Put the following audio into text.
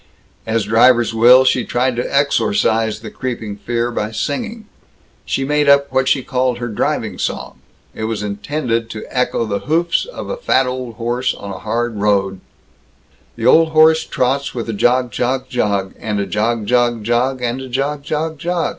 As drivers will, she tried to exorcise the creeping fear by singing. She made up what she called her driving song. It was intended to echo the hoofs of a fat old horse on a hard road: The old horse trots with a jog, jog, jog, And a jog, jog, jog; and a jog, jog, jog.